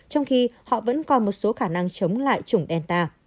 trong khi họ vẫn còn một số khả năng chống lại chủng delta